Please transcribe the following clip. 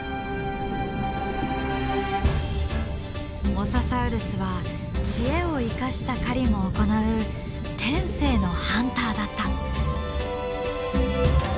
モササウルスは知恵を生かした狩りも行う天性のハンターだった。